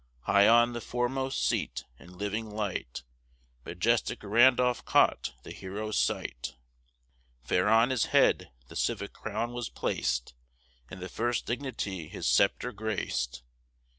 High on the foremost seat, in living light, Majestic Randolph caught the hero's sight: Fair on his head, the civic crown was plac'd, And the first dignity his sceptre grac'd.